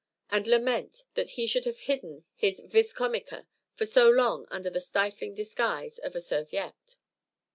_" and lament that he should have hidden his vis comica for so long under the stifling disguise of a serviette.